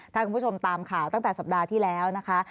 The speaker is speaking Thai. ถ้าคุณผู้ชมตามข่าวตั้งแต่สัปดาห์ที่แล้วนะคะ